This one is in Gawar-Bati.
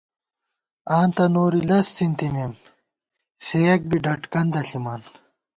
آں تہ نوری لز څِنتِمېمم، سېیَک بی ڈَڈ کندہ ݪِمان